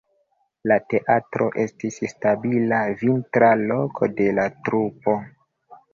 La teatro estis stabila vintra loko de la trupo.